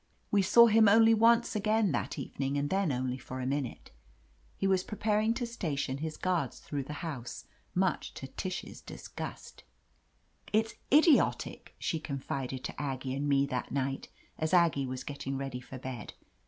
We saw him only once again that evening, and then only for a minute. He was preparing to station his guards through the house, much to Tish's dis gust. "It's idiotic," she confided to Aggie and me that night as Aggie was getting ready for bed.